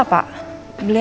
kalau tak kira